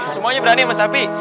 semuanya berani sama sapi